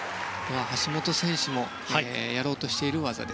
橋本選手もやろうとしている技を